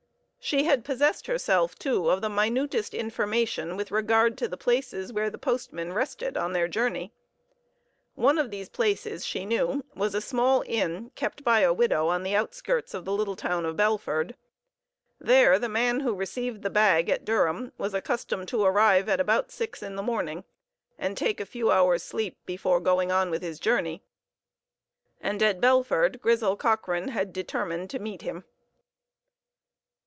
She had possessed herself, too, of the minutest information with regard to the places where the postmen rested on their journey. One of these places, she knew, was a small inn kept by a widow on the outskirts of the little town of Belford. There the man who received the bag at Durham was accustomed to arrive at about six in the morning, and take a few hours' sleep before going on with his journey. And at Belford, Grizel Cochrane had determined to meet him.